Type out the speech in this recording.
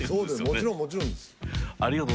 もちろんもちろんです。ねぇ。